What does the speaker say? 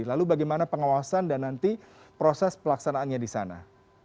lalu bagaimana pengawasan dan nanti proses pelaksanaannya di sana